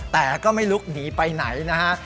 แต่ก็ไม่ลุกหนีไปไหนนะฮะ